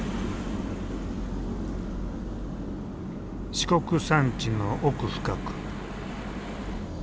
四国山地の奥深く。